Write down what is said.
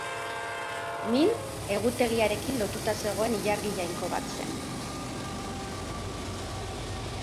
Min, egutegiarekin lotuta zegoen ilargi jainko bat zen.